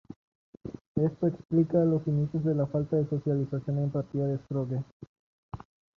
Esto explica los inicios de la falta de socialización y empatía de Scrooge.